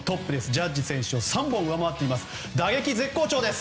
ジャッジ選手を３本上回って打撃絶好調。